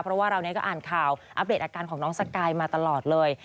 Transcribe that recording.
เพราะว่าเราก็อ่านข่าวอัปเดตอาการของน้องสกายมาตลอดเลย